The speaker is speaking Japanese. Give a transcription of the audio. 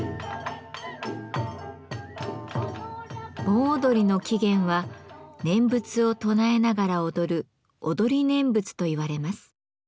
盆踊りの起源は念仏を唱えながら踊る踊り念仏といわれます。